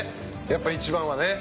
やっぱ一番はね。